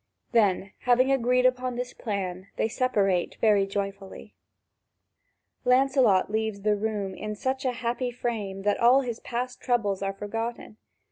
Then, having agreed upon this plan, they separate very joyfully. (Vv. 4551 4650.) Lancelot leaves the room in such a happy frame that all his past troubles are forgotten.